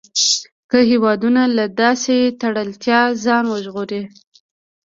که هېوادونه له داسې تړلتیا ځان وژغوري.